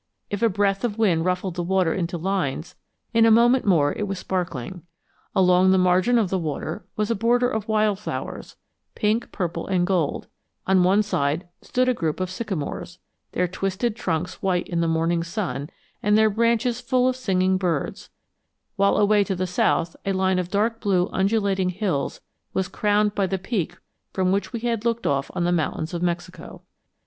If a breath of wind ruffled the water into lines, in a moment more it was sparkling. Along the margin of the water was a border of wild flowers, pink, purple, and gold; on one side stood a group of sycamores, their twisted trunks white in the morning sun and their branches full of singing birds; while away to the south a line of dark blue undulating hills was crowned by the peak from which we had looked off on the mountains of Mexico.